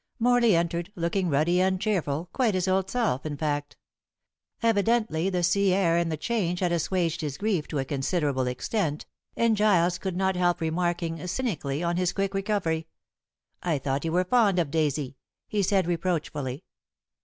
Morley entered, looking ruddy and cheerful, quite his old self, in fact. Evidently the sea air and the change had assuaged his grief to a considerable extent, and Giles could not help remarking cynically on his quick recovery. "I thought you were fond of Daisy," he said reproachfully.